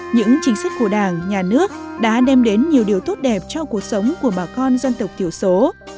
những chính sách của đảng nhà nước đã đem đến nhiều điều tốt đẹp cho cuộc sống của bà con dân tộc thiểu số